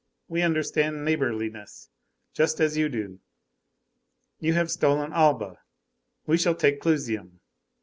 We understand neighborliness just as you do. You have stolen Alba, we shall take Clusium.